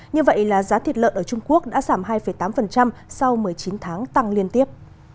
như vậy là giá thịt lợn ở trung quốc đã giảm hai tám sau một mươi chín tháng tăng liên tiếp